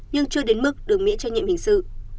nhưng chưa đến mức được miễn trách nhiệm hình sự